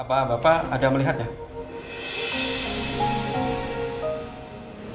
apaan bapak ada melihatnya